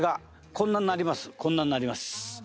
こんなになります。